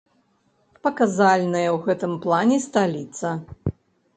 Паказальная ў гэтым плане сталіца.